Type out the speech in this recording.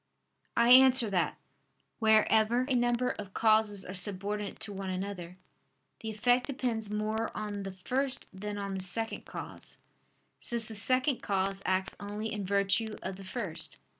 I answer that, Wherever a number of causes are subordinate to one another, the effect depends more on the first than on the second cause: since the second cause acts only in virtue of the first.